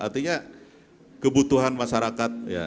artinya kebutuhan masyarakat